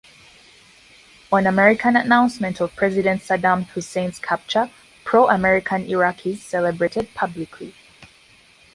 On American announcement of President Saddam Hussein's capture, pro-American Iraqis celebrated publicly.